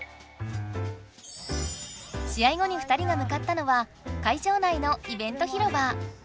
試合後に２人が向かったのは会場内のイベント広場。